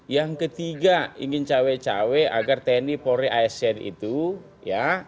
yang ketiga ingin cawe cawe agar tni polri asn itu ya